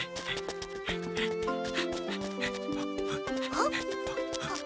あっ。